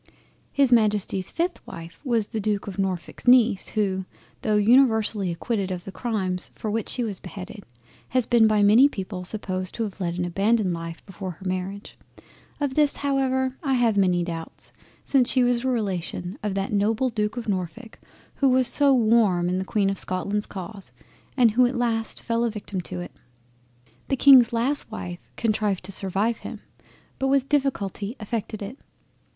His Majesty's 5th Wife was the Duke of Norfolk's Neice who, tho' universally acquitted of the crimes for which she was beheaded, has been by many people supposed to have led an abandoned life before her Marriage—of this however I have many doubts, since she was a relation of that noble Duke of Norfolk who was so warm in the Queen of Scotland's cause, and who at last fell a victim to it. The Kings last wife contrived to survive him, but with difficulty effected it.